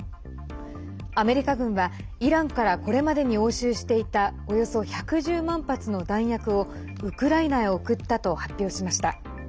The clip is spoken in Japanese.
アメリカ軍はイランからこれまでに押収していたおよそ１１０万発の弾薬をウクライナへ送ったと発表しました。